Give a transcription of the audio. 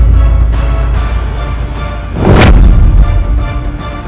kamu menerima kematian